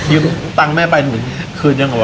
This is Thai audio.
ยืมตังแม่ไปหนึ่งคืนหรือเปล่าวะ